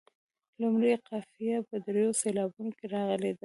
لومړۍ قافیه په دریو سېلابونو کې راغلې ده.